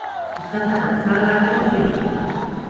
Die Stadt hat auch zahlreiche Museen.